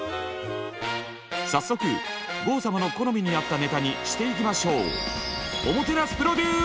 早速郷様の好みに合ったネタにしていきましょう。